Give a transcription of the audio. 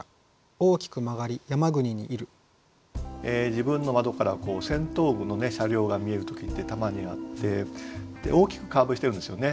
自分の窓から先頭部の車両が見える時ってたまにあって大きくカーブしてるんですよね。